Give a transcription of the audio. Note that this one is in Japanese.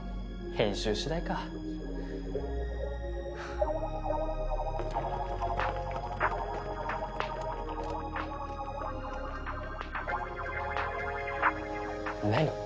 編集次第か何？